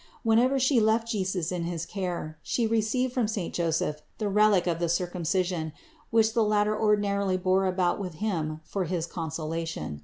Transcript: Whenever She left Jesus in his care, She received from saint Joseph the relic of the Circumcision, which the latter ordinarily bore about with him for his consolation.